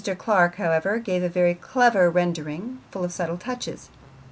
Clark, however, gave a very clever rendering, full of subtle touches.